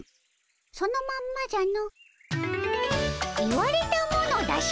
そのまんまじゃの。